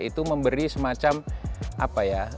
itu memberi semacam apa ya